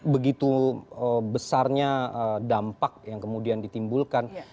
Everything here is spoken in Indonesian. begitu besarnya dampak yang kemudian ditimbulkan